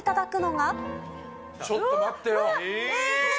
ちょっと待ってよ。